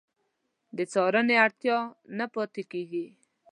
د څارنې اړتیا نه پاتې کېږي.